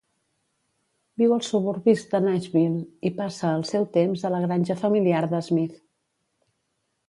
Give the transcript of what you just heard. Viu als suburbis de Nashville i passa el seu temps a la granja familiar de Smith.